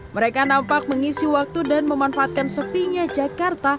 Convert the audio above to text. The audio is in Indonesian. mereka nampak mengisi waktu dan memanfaatkan sepinya jakarta